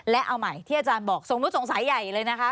และเอาใหม่ที่อาจารย์บอกสมมุติสงสัยใหญ่เลยนะคะ